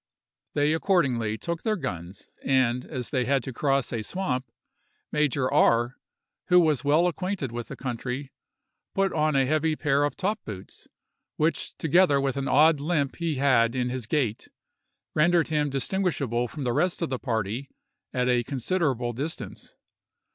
They accordingly took their guns, and as they had to cross a swamp, Major R——, who was well acquainted with the country, put on a heavy pair of top boots, which, together with an odd limp he had in his gait, rendered him distinguishable from the rest of the party at a considerable distance.